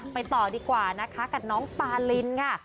ไปต่อดีกว่านะคะกับน้องปาลินค่ะ